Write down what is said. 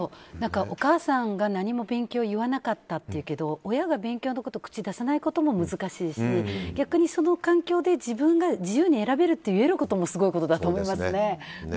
お母さんが何も勉強言わなかったって言うけど親が勉強に口出さないことも難しいし逆にその環境で自分が自由に選べると言えることもすごいことだと思います。